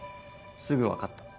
すぐ分かった。